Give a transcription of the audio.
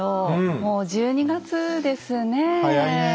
もう１２月ですねえ。